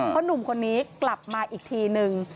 เพราะหนุ่มคนนี้กลับมาอีกทีนึง